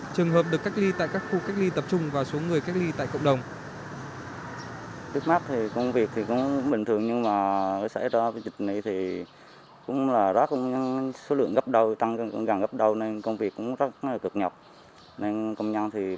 trường hợp được cách ly tại các khu cách ly tập trung và số người cách ly tại cộng đồng